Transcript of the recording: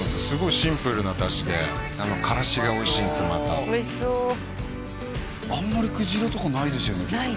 すごいシンプルなだしであのからしがおいしいんですよまたあんまりくじらとかないですよね